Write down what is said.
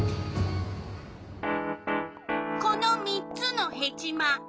この３つのヘチマ。